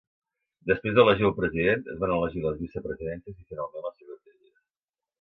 Després d'elegir el president, es van elegir les vicepresidències i finalment les secretaries.